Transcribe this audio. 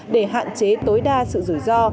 để hạn chế tối đa sự rủi ro